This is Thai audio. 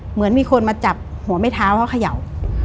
เหมือนมีคนมาจับหัวไม่เท้าเขาเขย่า